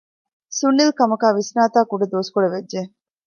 ސުނިލް ކަމަކާއި ވިސްނާތާކުޑަ ދުވަސްކޮޅެއް ވެއްޖެ